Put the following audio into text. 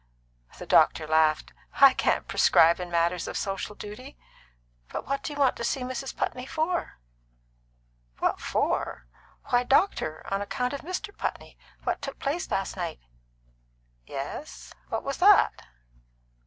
The doctor laughed. "I can't prescribe in matters of social duty. But what do you want to see Mrs. Putney for?" "What for? Why, doctor, on account of Mr. Putney what took place last night." "Yes? What was that?"